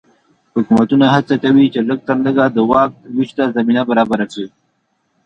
حکومتونه هڅه کوي چې لږ تر لږه د واک وېش ته زمینه برابره کړي.